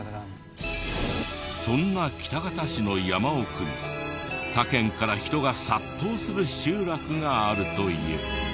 そんな喜多方市の山奥に他県から人が殺到する集落があるという。